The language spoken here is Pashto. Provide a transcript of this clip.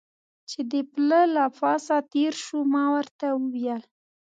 چې د پله له پاسه تېر شو، ما ورته وویل.